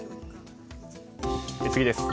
次です。